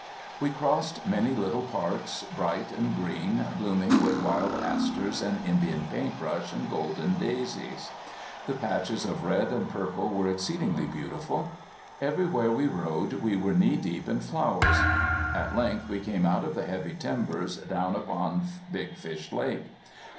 We crossed many little parks, bright and green, blooming with wild asters and Indian paint brush and golden daisies. The patches of red and purple were exceedingly beautiful. Everywhere we rode we were knee deep in flowers. At length we came out of the heavy timber down upon Big Fish Lake.